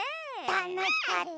たのしかった。